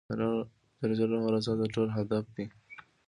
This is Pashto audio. د الله رضا د ټولو هدف دی.